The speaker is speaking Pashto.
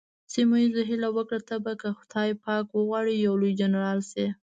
سیمونز هیله وکړه، ته به که خدای پاک وغواړي یو لوی جنرال شې.